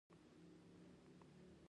قانون په ټولو خلکو یو شان تطبیقیږي.